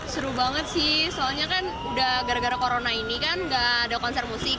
seru banget sih soalnya kan udah gara gara corona ini kan gak ada konser musik